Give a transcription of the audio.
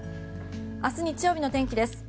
明日日曜日の天気です。